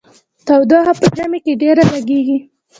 تودوخه په ژمي کې ډیره لګیږي.